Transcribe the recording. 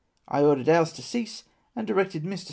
I ordered ours to cease, and directed INIr.